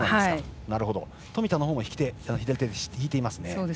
富田のほうも引き手、左手を引いてます。